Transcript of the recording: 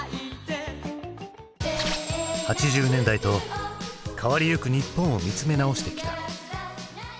８０年代と変わりゆく日本を見つめ直してきた。